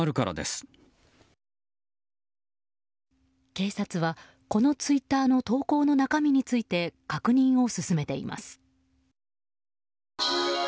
警察は、このツイッターの投稿の中身について確認を進めています。